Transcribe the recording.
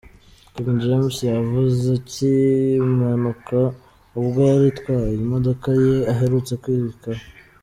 King James yakoze iyi mpanuka, ubwo yari atwaye imodoka ye aherutse kwibikaho.